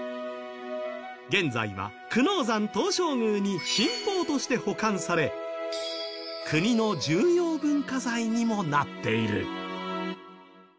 現在は久能山東照宮に神宝として保管され国の重要文化財にもなっている。